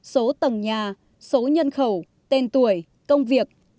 số tầng nhà số nhân khẩu tên tuổi công việc